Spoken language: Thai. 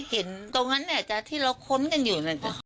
เห็นตรงนั้นที่เราค้นกันอยู่